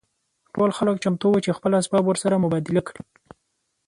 ټول خلک چمتو وو چې خپل اسباب ورسره مبادله کړي